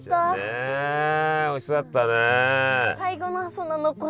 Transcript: ねおいしそうだったね。